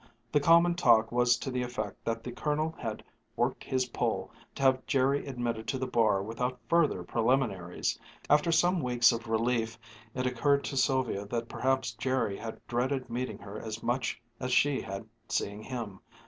The common talk was to the effect that the Colonel had "worked his pull" to have Jerry admitted to the bar without further preliminaries. After some weeks of relief, it occurred to Sylvia that perhaps Jerry had dreaded meeting her as much as she had seeing him.